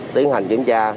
tiến hành kiểm tra